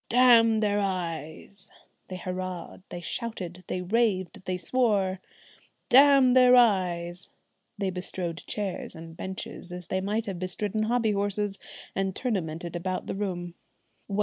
"Damn their eyes!" they hurrahed, they shouted, they raved, they swore. "Damn their eyes!" they bestrode chairs and benches, as they might have bestridden hobby horses, and tournamented about the room.